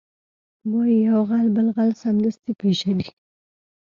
وایي یو غل بل غل سمدستي پېژني